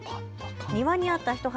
庭にあった１鉢。